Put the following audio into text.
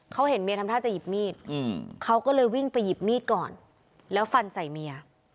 เขาเห็นเมียทำท่าจะหยิบมีดเขาก็เลยวิ่งไปหยิบมีดก่อนแล้วฟันใส่เมีย